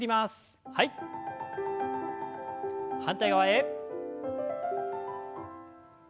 反対側へ。